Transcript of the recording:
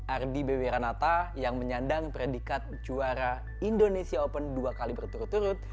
ardi bewiranata yang menyandang predikat juara indonesia open dua kali berturut turut